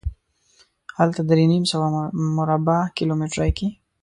هلته درې نیم سوه مربع کیلومترۍ کې.